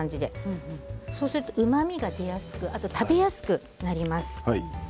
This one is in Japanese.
そうすると、うまみが出やすくあと食べやすくなります。